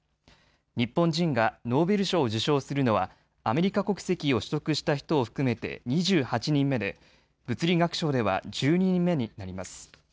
日本人がノーベル賞を受賞するのはアメリカ国籍を取得した人を含めて２８人目で物理学賞では１０人目になります。